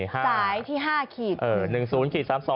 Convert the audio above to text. สายที่๕ขีด